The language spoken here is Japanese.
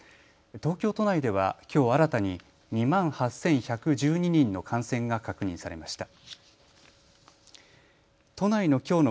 東京都内ではきょう新たに２万８１１２人の感染が確認されました。